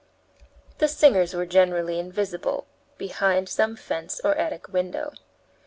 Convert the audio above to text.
The singers were generally invisible behind some fence or attic window.